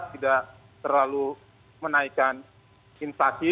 tidak terlalu menaikkan inflasi